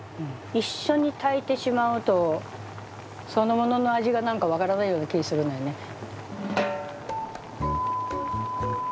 一緒に炊いてしまうとそのものの味が何か分からないような気ぃするのよね。